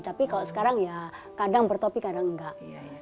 tapi kalau sekarang ya kadang bertopi kadang enggak